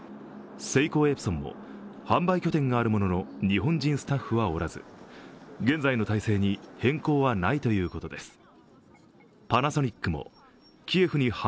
セイコーエプソンも、販売拠点があるものの日本人スタッフはおらず、現在の体制に変更はないということです。